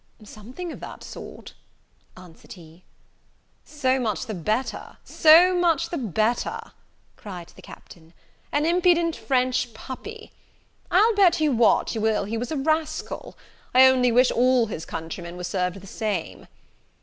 "Something of that sort," answered he. "So much the better! so much the better!" cried the Captain, "an impudent French puppy! I'll bet you what you will he was a rascal. I only wish all his countrymen were served the same."